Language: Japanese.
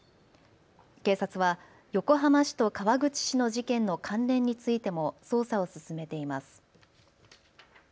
警察は横浜市と川口市の事件の関連についても捜査を進めています。